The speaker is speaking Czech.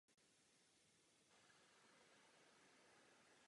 To zlepšuje spolehlivost a rozhodnutí o spojení se zařízením.